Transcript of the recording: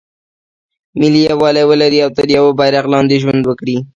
ملي یووالی ولري او تر یوه بیرغ لاندې ژوند وکړي.